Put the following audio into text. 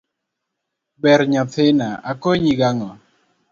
ber nyathina akonyi gang'o?